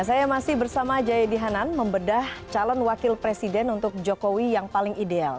saya masih bersama jayadi hanan membedah calon wakil presiden untuk jokowi yang paling ideal